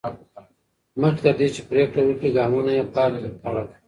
مخکې تر دې چې پرېکړه وکړي، ګامونه یې پارک ته لاړل.